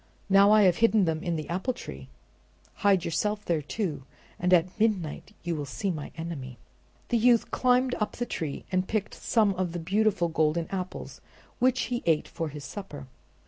Now I have hidden them in the apple tree; hide yourself there, too, and at midnight you will see my enemy." The youth climbed up the tree and picked some of the beautiful golden apples, which he ate for his supper.